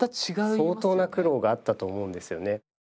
相当な苦労があったと思うんですよね。